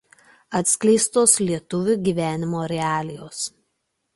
Atskleistos lietuvių gyvenimo realijos.